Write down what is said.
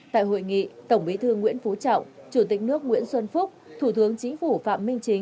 tại hội nghị tổng bí thư nguyễn phú trọng chủ tịch nước nguyễn xuân phúc thủ tướng chính phủ phạm minh chính